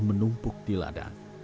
menumpuk di ladang